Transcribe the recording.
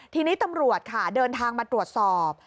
ทีนี้ตำรวจค่ะเดินทางมาตรวจสอบ